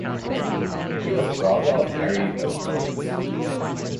He was a brother of Harry O. Hoyt.